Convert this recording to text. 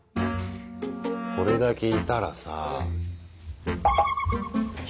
これだけいたらさあ。